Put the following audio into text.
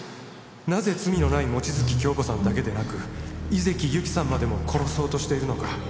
「なぜ罪のない望月京子さんだけでなく井関ゆきさんまでも殺そうとしているのか」